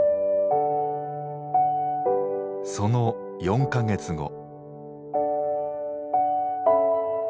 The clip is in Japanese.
その４か月後。